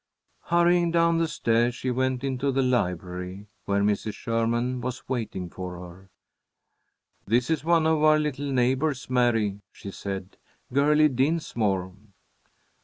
Hurrying down the stairs, she went into the library, where Mrs. Sherman was waiting for her. "This is one of our little neighbors, Mary," she said, "Girlie Dinsmore."